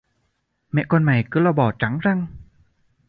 Mẹ con mày cứ lo bò trắng răng